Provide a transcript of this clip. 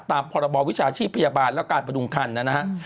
ตามพบวิชาชีพพยาบาลและการพดุงคันนะครับ